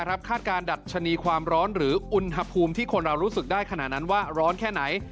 คาดการณ์ดัชนีความร้อนหรืออุณหภูมิที่คนเรารู้สึกได้ขนาดนั้นว่าร้อนแค่ไหน